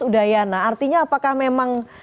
udayana artinya apakah memang